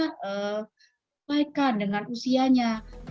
kita harus menjaga kebaikan dengan usianya